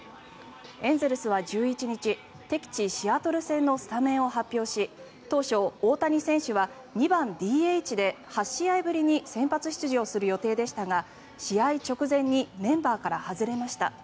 エンゼルスは１１日敵地シアトル戦のスタメンを発表し当初、大谷選手は２番ＤＨで８試合ぶりに先発出場する予定でしたが試合直前にメンバーから外れました。